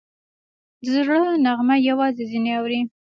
د زړه نغمه یوازې ځینې اوري